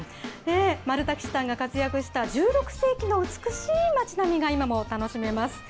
マルタ騎士団が活躍した１６世紀の美しい街並みが今も楽しめます。